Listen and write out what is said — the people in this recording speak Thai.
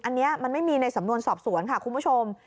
อันนี้มันไม่มีในสำนวนสอบสวนค่ะคุณผู้ชม